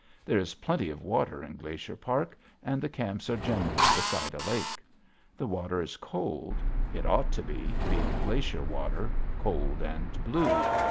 There is plenty of water in Glacier Park, and the camps are generally beside a lake. The water is cold. It ought to be, being glacier water, cold and blue.